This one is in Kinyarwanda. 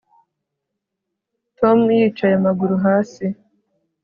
Tom yicaye amaguru hasi